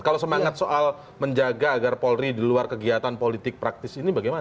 kalau semangat soal menjaga agar polri di luar kegiatan politik praktis ini bagaimana